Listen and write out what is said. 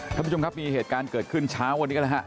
ท่านผู้ชมครับมีเหตุการณ์เกิดขึ้นเช้าวันนี้กันแล้วฮะ